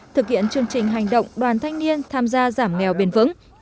thực hiện chương trình hành động đoàn thanh niên tham gia giảm nghèo bền vững